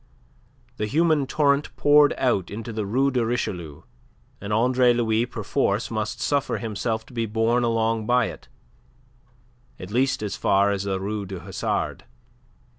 The human torrent poured out into the Rue de Richelieu, and Andre Louis perforce must suffer himself to be borne along by it, at least as far as the Rue du Hasard.